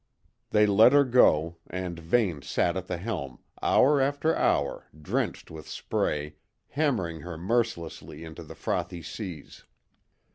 They let her go, and Vane sat at the helm, hour after hour, drenched with spray, hammering her mercilessly into the frothy seas.